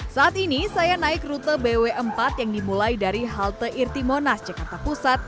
saat ini saya naik rute bw empat yang dimulai dari halte irti monas jakarta pusat